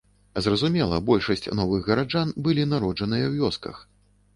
Зразумела, большасць новых гараджан былі народжаныя ў вёсках.